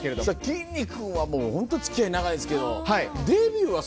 きんに君はもうホント付き合い長いですけど。